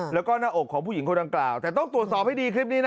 แล้วก็หน้าอกของผู้หญิงคนดังกล่าวแต่ต้องตรวจสอบให้ดีคลิปนี้นะ